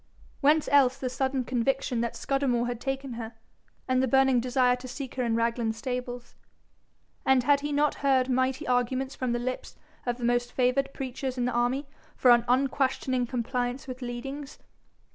Whence else the sudden conviction that Scudamore had taken her, and the burning desire to seek her in Raglan stables? And had he not heard mighty arguments from the lips of the most favoured preachers in the army for an unquestioning compliance with leadings?